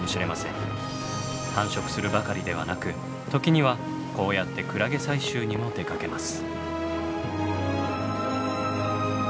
繁殖するばかりではなく時にはこうやってクラゲ採集にも出かけます。